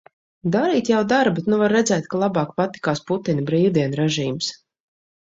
Darīt jau dara, bet nu var redzēt, ka labāk patikās Putina brīvdienu režīms.